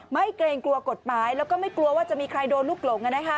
เกรงกลัวกฎหมายแล้วก็ไม่กลัวว่าจะมีใครโดนลูกหลง